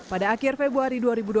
pada akhir februari dua ribu dua puluh